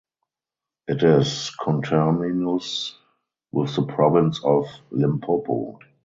It is conterminous with the province of Limpopo.